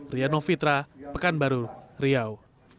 riano fitra pekanbaru riau